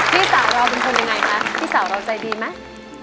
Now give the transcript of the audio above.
พี่สาวเราเป็นคนยังไงคะพี่สาวเราใจดีไหม